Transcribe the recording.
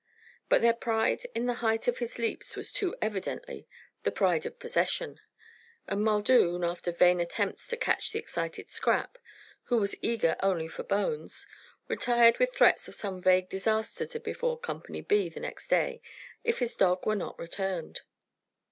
But their pride in the height of his leaps was too evidently the pride of possession; and Muldoon, after vain attempts to catch the excited Scrap, who was eager only for bones, retired with threats of some vague disaster to befall Company B the next day if his dog were not returned.